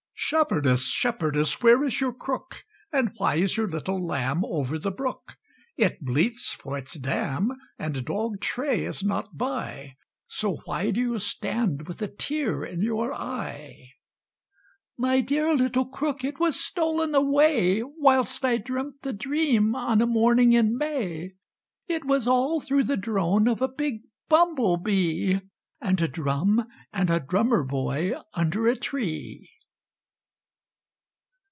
Shepherdess, shepherdess, where is your crook? And why is your little lamb over the brook? It bleats for its dam, and dog Tray is not by, So why do you stand with a tear in your eye? "My dear little crook it was stolen away Whilst I dreamt a dream on a morning in May; It was all through the drone of a big bumblebee, And a drum and a drummer boy under a tree."